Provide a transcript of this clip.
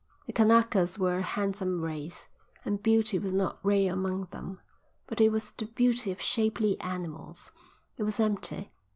The Kanakas were a handsome race, and beauty was not rare among them, but it was the beauty of shapely animals. It was empty.